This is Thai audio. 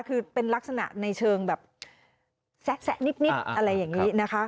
คือเป็นลักษณะในเชิงแบบแซะนิดอะไรอย่างนี้นะคะ